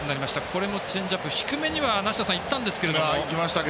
これもチェンジアップ低めにはいったんですけれども。